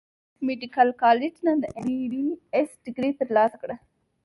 ميديکل کالج نۀ د ايم بي بي ايس ډګري تر لاسه کړه